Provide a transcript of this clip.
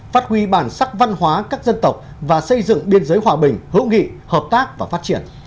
phát huy bản sắc văn hóa các dân tộc và xây dựng biên giới hòa bình hữu nghị hợp tác và phát triển